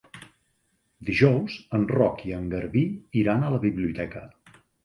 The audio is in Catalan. Dijous en Roc i en Garbí iran a la biblioteca.